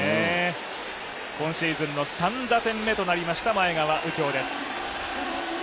今シーズンの３打点目となりました前川右京です。